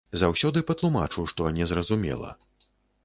Заўсёды патлумачу, што незразумела.